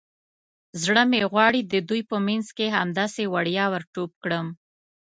زړه مې غواړي د دوی په منځ کې همداسې وړیا ور ټوپ کړم.